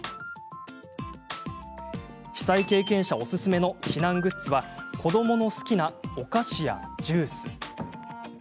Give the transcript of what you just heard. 被災経験者おすすめの避難グッズは子どもの好きなお菓子やジュース。